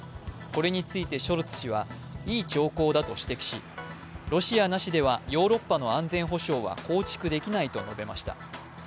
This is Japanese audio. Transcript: これについてショルツ氏は、いい兆候だと指摘しロシアなしではヨーロッパの安全保障は構築できないと述べました。